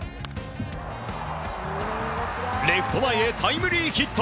レフト前へタイムリーヒット！